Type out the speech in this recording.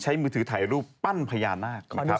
ใช้มือถือถ่ายรูปปั้นพญานาค